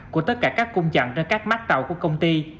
của tất cả các cung dặn trên các mát tàu của công ty